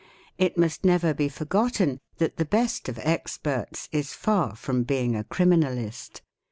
It must never be forgotten that the best of experts is far + from being a criminalist.